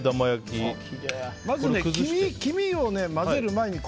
まず黄身を混ぜる前に。